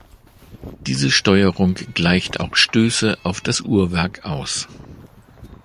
Diese Steuerung gleicht auch Stöße auf das Uhrwerk aus.